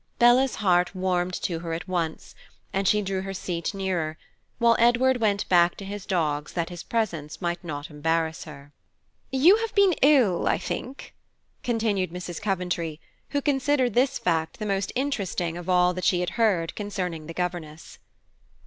Bella's heart warmed to her at once, and she drew her seat nearer, while Edward went back to his dogs that his presence might not embarrass her. "You have been ill, I think," continued Mrs. Coventry, who considered this fact the most interesting of all she had heard concerning the governess.